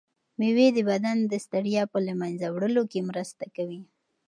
مېوې د بدن د ستړیا په له منځه وړلو کې مرسته کوي.